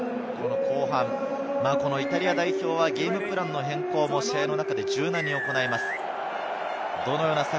イタリア代表はゲームプランの変更も試合の中で柔軟に行います。